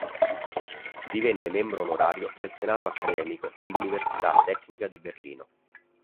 Divenne membro onorario del senato accademico dell'Università tecnica di Berlino.